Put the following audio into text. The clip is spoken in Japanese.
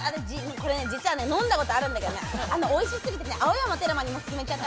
これ実際、飲んだことあるんだけどね、おいしいすぎてね、青山テルマにもすすめちゃった。